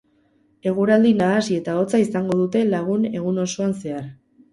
Eguraldi nahasi eta hotza izango dute lagun egun osoan zehar.